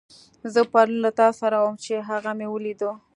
زه پرون له تاسره وم، چې هغه مې وليدو.